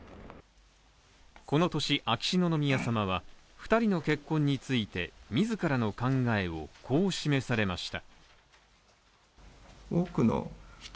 この年、秋篠宮さまは、２人の結婚について自らの考えをこう示されました。